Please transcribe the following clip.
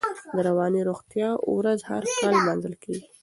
د رواني روغتیا ورځ هر کال نمانځل کېږي.